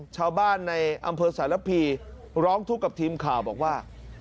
ชาวบ้านในอำเภอสารพีร้องทุกข์กับทีมข่าวบอกว่า